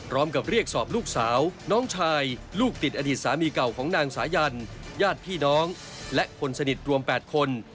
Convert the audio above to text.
พร้อมกับเรียกสอบลูกสาวน้องชายลูกติดอดีตสามีเก่าของนางสายันญาติพี่น้องและคนสนิทรวม๘คน